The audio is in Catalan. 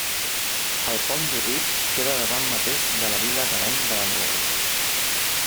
El Pont d'Orrit queda davant mateix de la vila d'Areny de Noguera.